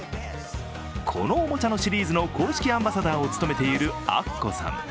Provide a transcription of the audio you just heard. このおもちゃのシリーズの公式アンバサダーを務めているアッコさん。